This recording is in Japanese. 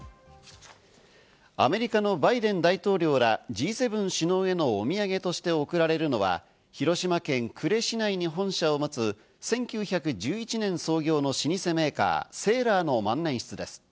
アメリカのバイデン大統領らＧ７首脳へのお土産として贈られるのは広島県呉市内に本社を持つ１９１１年創業の老舗メーカー、セーラーの万年筆です。